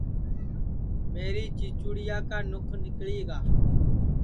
میری چیچُوڑیا کا نُکھ نیکݪی گا